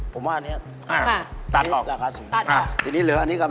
ผมว่าอันนี้อ่ะตัดออกทีนี้เหลืออันนี้ครับ